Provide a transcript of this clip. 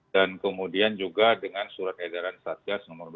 dan kemudian juga dengan surat edaran satgas nomor dua puluh empat